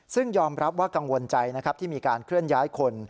ซึ่งยอมรับว่ากังวลใจนะครับที่มีการเคลื่อนย้ายคน